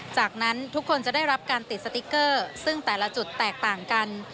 จากนั้นทุกคนจะได้รับการติดสติ๊กเกอร์ซึ่งแต่ละจุดแตกต่างกัน